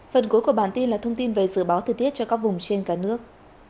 phần cuối của bản tin là thông tin về dự báo thời tiết cho các vùng trên cả nước